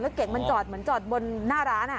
เก่งมันจอดเหมือนจอดบนหน้าร้าน